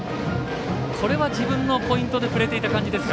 これは自分のポイントで振れていた感じですか。